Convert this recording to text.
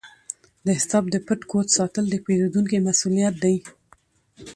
د حساب د پټ کوډ ساتل د پیرودونکي مسؤلیت دی۔